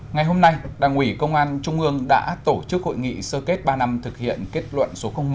ngày hôm nay đảng ủy công an trung ương đã tổ chức hội nghị sơ kết ba năm thực hiện kết luận số một